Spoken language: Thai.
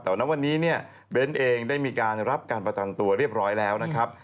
แต่ว่าวันนี้เนี่ยเบ้นเองได้มีการรับการประกันตัวเรียบร้อยแล้วนะครับ